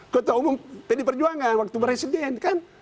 ketua umum pdi perjuangan waktu beresiden